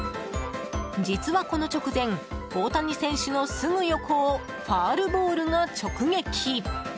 実はこの直前、大谷選手のすぐ横をファウルボールが直撃。